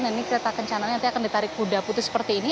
nah ini kereta kencana nanti akan ditarik kuda putih seperti ini